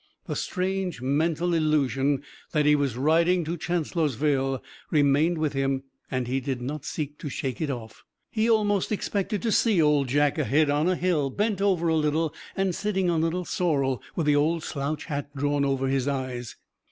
The strange mental illusion that he was riding to Chancellorsville remained with him and he did not seek to shake it off. He almost expected to see Old Jack ahead on a hill, bent over a little, and sitting on Little Sorrel, with the old slouch hat drawn over his eyes.